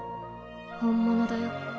本物だよ。